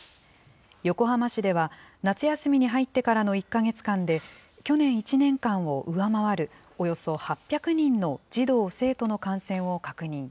横浜市では、夏休みに入ってからの１か月間で、去年１年間を上回るおよそ８００人の児童・生徒の感染を確認。